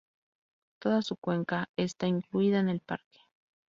Toda su cuenca está incluida en el parque.